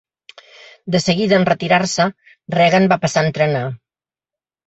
De seguida, en retirar-se, Regan va passar a entrenar.